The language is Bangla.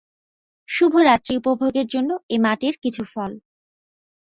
শুভরাত্রি উপভোগের জন্য এ মাটির কিছু ফল।